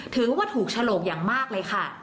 ถือว่าถูกฉลกอย่างมากเลยค่ะ